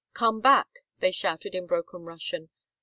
Come back!" they shouted in broken Russian.